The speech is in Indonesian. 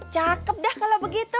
cakep dah kalau begitu